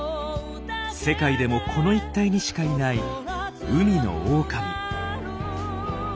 世界でもこの一帯にしかいない海のオオカミ。